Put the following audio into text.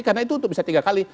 karena itu untuk bisa tiga kali